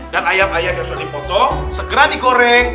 dan ayam ayam yang sudah dipotong segera digoreng